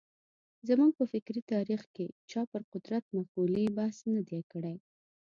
زموږ په فکري تاریخ کې چا پر قدرت مقولې بحث نه دی کړی.